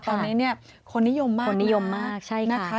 ตอนนี้คนนิยมมากนะคะคนนิยมมากใช่ค่ะ